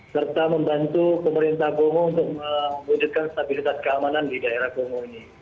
serta membantu pemerintah kongo untuk mewujudkan stabilitas keamanan di daerah kongo ini